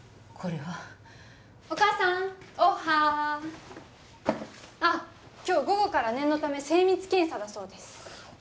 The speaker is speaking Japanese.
これはお母さんおっはあっ今日午後から念のため精密検査だそうです